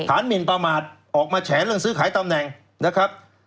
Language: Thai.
หมินประมาทออกมาแฉเรื่องซื้อขายตำแหน่งนะครับ